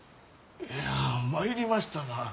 いや参りましたな。